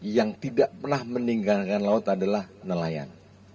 yang tidak pernah meninggalkan laut adalah nelayan